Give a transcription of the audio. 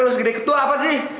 kira lo segede ketua apa sih